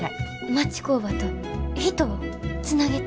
町工場と人をつなげたい。